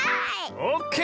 オッケー！